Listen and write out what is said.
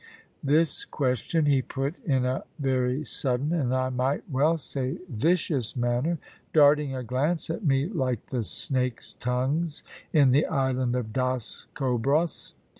This question he put in a very sudden, and I might well say vicious, manner, darting a glance at me like the snake's tongues in the island of Das Cobras.